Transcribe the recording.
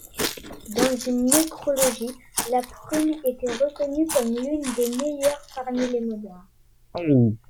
Dans une nécrologie, la prune était reconnue comme l'une des meilleures parmi les modernes.